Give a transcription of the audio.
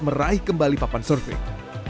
meraih kembali papan surfing